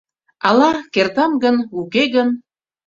— Ала, кертам гын, уке гын...